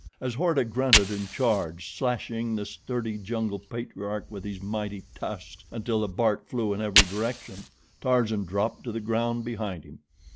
As Horta grunted and charged, slashing the sturdy jungle patriarch with his mighty tusks until the bark flew in every direction, Tarzan dropped to the ground behind him.